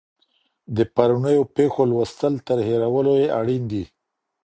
د پرونيو پېښو لوستل تر هېرولو يې اړين دي.